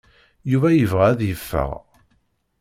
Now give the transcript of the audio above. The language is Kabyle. Yuba yebɣa ad yeffeɣ.